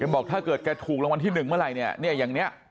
บอกถ้าเกิดแกถูกรางวัลที่๑เมื่อไหร่เนี่ยอย่างนี้